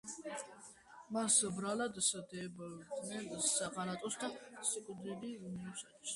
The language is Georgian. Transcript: მას ბრალად სდებდნენ ღალატს და სიკვდილი მიუსაჯეს.